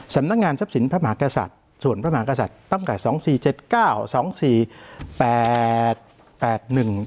สำนักงานทรัพย์สินพระมหากษัตริย์ส่วนพระมหากษัตริย์ตั้งแต่สองสี่เจ็ดเก้าสองสี่แปดแปดหนึ่ง